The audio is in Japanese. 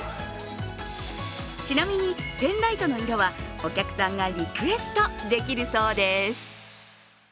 ちなみに、ペンライトの色はお客さんがリクエストできるそうです。